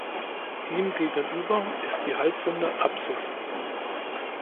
Ihm gegenüber ist die halbrunde Apsis.